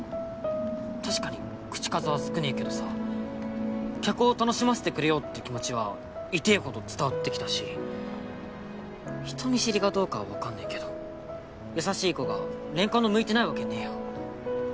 確かに口かずは少ねぇけどさ客を楽しませてくれようって気持ちは痛ぇほど伝わってきたし人見知りがどうかは分かんねぇけど優しい子がレンカノ向いてないわけねぇよ